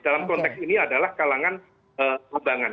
dalam konteks ini adalah kalangan abangan